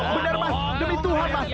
benar mas demi tuhan mas